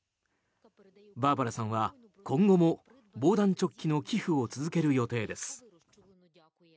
バーバラさんは今後も防弾チョッキの寄付を続ける予定です。